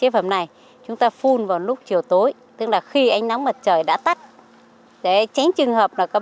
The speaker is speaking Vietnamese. và nó cũng có những cái tác dụng có ích cho người nông dân rất là tốt